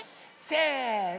せの！